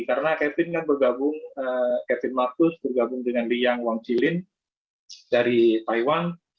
karena captain marcus bergabung dengan liang wang chilin